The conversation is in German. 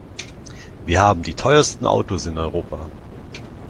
Wir haben die teuersten Autos in Europa.